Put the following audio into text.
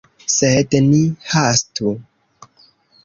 Sed ni hastu.